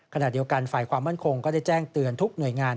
ขณะเดียวกันฝ่ายความมั่นคงก็ได้แจ้งเตือนทุกหน่วยงาน